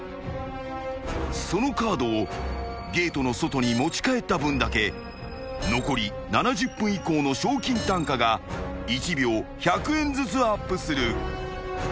［そのカードをゲートの外に持ち帰った分だけ残り７０分以降の賞金単価が１秒１００円ずつアップする］